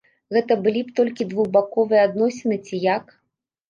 Гэта былі б толькі двухбаковыя адносіны ці як?